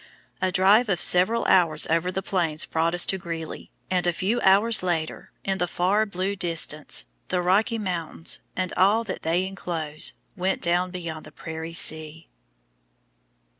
A drive of several hours over the Plains brought us to Greeley, and a few hours later, in the far blue distance, the Rocky Mountains, and all that they enclose, went down below the prairie sea.